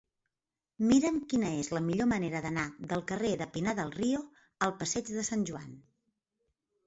Mira'm quina és la millor manera d'anar del carrer de Pinar del Río al passeig de Sant Joan.